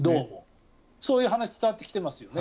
そういう話伝わってきてますよね。